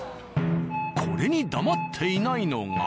これに黙っていないのが。